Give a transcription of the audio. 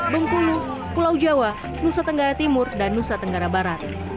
bengkulu pulau jawa nusa tenggara timur dan nusa tenggara barat